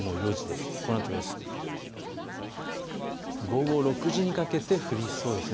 午後６時にかけて降りそうです。